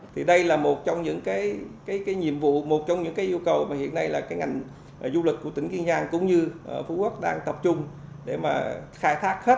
thì đây là một trong những cái nhiệm vụ một trong những cái yêu cầu mà hiện nay là cái ngành du lịch của tỉnh kiên giang cũng như phú quốc đang tập trung để mà khai thác hết